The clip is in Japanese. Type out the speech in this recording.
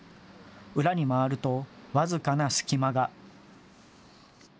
裏に回ると僅かな隙間が。